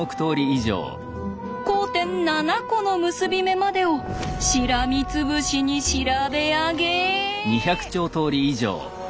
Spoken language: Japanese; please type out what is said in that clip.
交点７コの結び目までをしらみつぶしに調べ上げ。